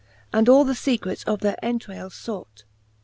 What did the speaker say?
And all the fecrets of their entrayles fought.